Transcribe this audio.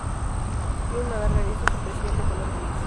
Tiene una larga lista superciliar de color gris.